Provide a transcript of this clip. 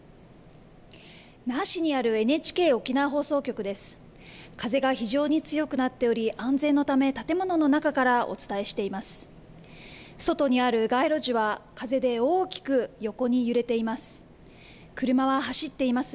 那覇市にあるＮＨＫ沖縄放送局です。